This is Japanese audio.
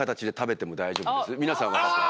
皆さん分かっても。